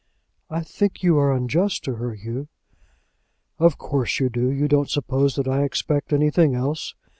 "I think you are unjust to her, Hugh." "Of course you do. You don't suppose that I expect anything else.